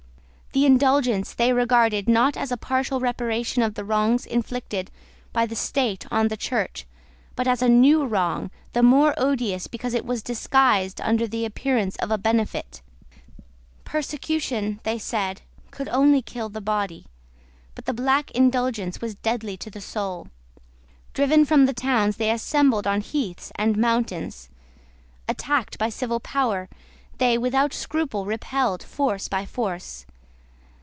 The Indulgence they regarded, not as a partial reparation of the wrongs inflicted by the State on the Church, but as a new wrong, the more odious because it was disguised under the appearance of a benefit. Persecution, they said, could only kill the body; but the black Indulgence was deadly to the soul. Driven from the towns, they assembled on heaths and mountains. Attacked by the civil power, they without scruple repelled force by force.